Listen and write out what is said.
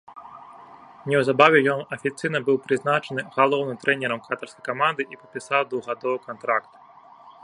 Неўзабаве ён афіцыйна быў прызначаны галоўным трэнерам катарскай каманды і падпісаў двухгадовы кантракт.